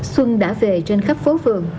xuân đã về trên khắp phố vườn